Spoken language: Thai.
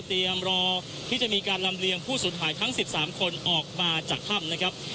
รอที่จะมีการลำเลียงผู้สูญหายทั้ง๑๓คนออกมาจากถ้ำนะครับ